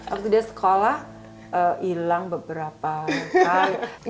abis sekolah ilang beberapa kali